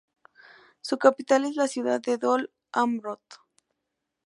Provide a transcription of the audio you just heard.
Su capital es la ciudad de Dol Amroth.